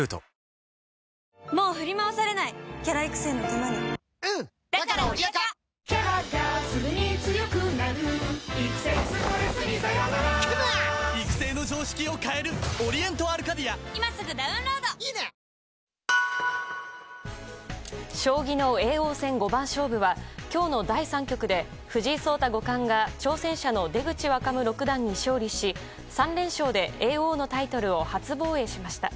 手前のストーンに軽く当て両方ともハウスに入れる将棋の叡王戦五番勝負は今日の第３局で藤井聡太五冠が挑戦者の出口若武六段に勝利し３連勝で叡王のタイトルを初防衛しました。